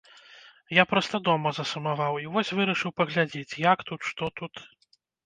Я проста дома засумаваў, і вось вырашыў паглядзець, як тут, што тут.